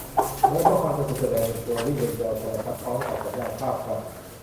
โดยข้อความจะถูกแสดงเป็นตัววิ่งบนจอโทรทัศน์พร้อมกับสัญญาณภาพครับ